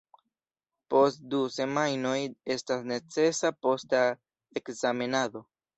Post du semajnoj estas necesa posta ekzamenado.